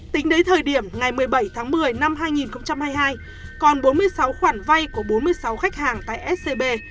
tính đến thời điểm ngày một mươi bảy tháng một mươi năm hai nghìn hai mươi hai còn bốn mươi sáu khoản vay của bốn mươi sáu khách hàng tại scb